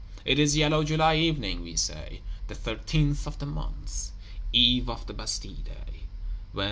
It is yellow July evening, we say, the 13th of the month; eve of the Bastille day, when "M.